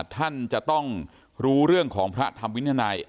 ท่านจะต้องรู้เรื่องของพระธรรมวินัย